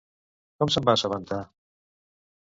Com se'n va assabentar?